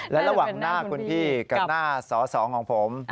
และระหว่างหน้าคุณพี่กับหน้าสอสองของผม